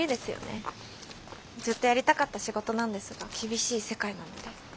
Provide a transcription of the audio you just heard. ずっとやりたかった仕事なんですが厳しい世界なので。